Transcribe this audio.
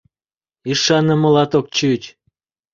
— Ӱшанымылат ок чуч.